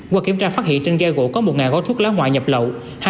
qua kiểm tra phát hiện trên dây gỗ có một gói thuốc lá ngoại nhập lậu